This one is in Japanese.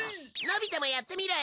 のび太もやってみろよ。